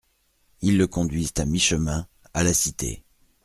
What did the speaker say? Ils le conduisent à mi-chemin, à la Cité.